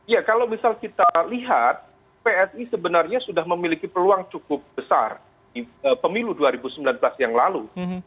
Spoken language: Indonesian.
ya kalau misal kita lihat psi sebenarnya sudah memiliki peluang cukup besar di pemilu dua ribu sembilan belas yang lalu